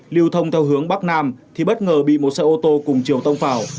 liều thông theo hướng bắc nam thì bất ngờ bị một xe ô tô cùng chiều tông phào